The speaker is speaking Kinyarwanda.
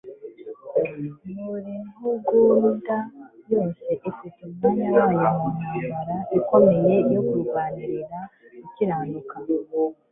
Buri ntugunda yose ifite umwanya wayo mu ntambara ikomeye yo kurwanirira gukiranuka